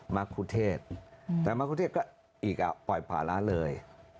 มรรคุเทศแต่มรรคุเทศก็อีกอ่ะปล่อยผละเลย